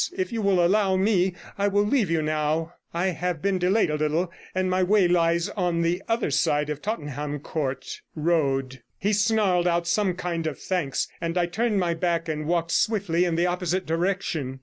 If you will allow me, I will leave you now; I have been delayed a little, and my way lies on the other side of Tottenham Court 139 Road.' He snarled out some kind of thanks, and I turned my back and walked swiftly in the opposite direction.